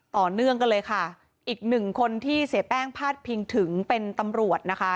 ต่อเนื่องกันเลยค่ะอีกหนึ่งคนที่เสียแป้งพาดพิงถึงเป็นตำรวจนะคะ